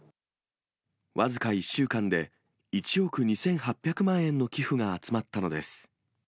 僅か１週間で１億２８００万円の寄付が集まったのです。